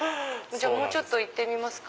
もうちょっと行ってみますか。